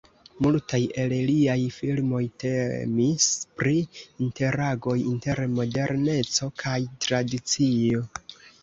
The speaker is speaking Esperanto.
Multaj el liaj filmoj temis pri interagoj inter moderneco kaj tradicio.